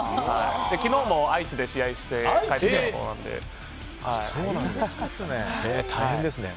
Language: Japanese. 昨日も愛知で試合して大変ですね。